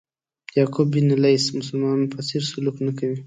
یعقوب بن لیث مسلمانانو په څېر سلوک نه کوي.